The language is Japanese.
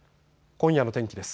今夜の天気です。